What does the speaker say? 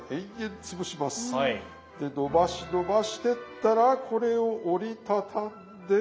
でのばしのばしてったらこれを折り畳んでもう一回潰します。